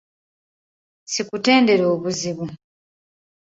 Sikutendera obuzibu!